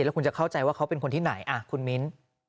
แล้วคุณจะเข้าใจว่าเขาเป็นคนที่ไหนคุณมิ้น